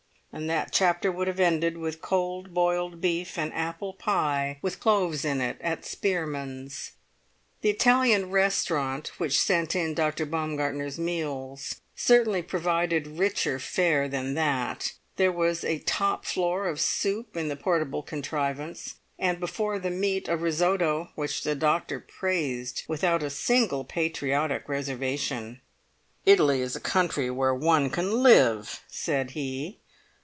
And that chapter would have ended with cold boiled beef and apple pie with cloves in it at Spearman's. The Italian restaurant which sent in Dr. Baumgartner's meals certainly provided richer fare than that. There was a top floor of soup in the portable contrivance, and before the meat a risotto, which the doctor praised without a single patriotic reservation. "Italy is a country where one can live," said he.